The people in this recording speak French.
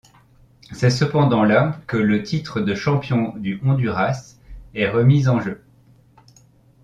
C'est cependant la que le titre de champion du Honduras est remis en jeu.